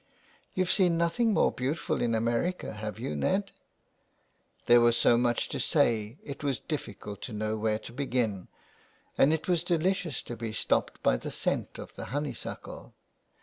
"You've seen nothing more beautiful in America, have you, Ned ?" There was so much to say it was difficult to know where to begin, and it was delicious to be stopped by the scent of the honeysuckle.